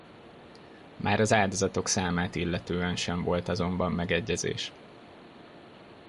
Már az áldozatok számát illetően sem volt azonban megegyezés.